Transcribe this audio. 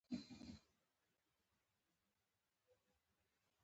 د باران څاڅکي پر کړکۍ لګېږي.